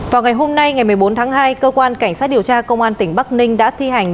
vào ngày hôm nay ngày một mươi bốn tháng hai cơ quan cảnh sát điều tra công an tỉnh bắc ninh đã thi hành